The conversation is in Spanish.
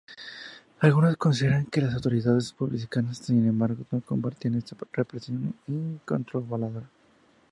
Algunos consideran que las autoridades republicanas, sin embargo, no compartían esta represión incontrolada.